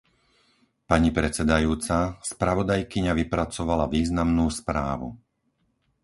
Pani predsedajúca, spravodajkyňa vypracovala významnú správu.